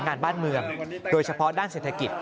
งานบ้านเมืองโดยเฉพาะด้านเศรษฐกิจ